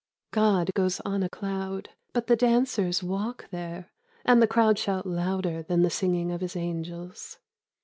God goes on a cloud, But the dancers walk there. And the crowd shout louder than the singing of his angels.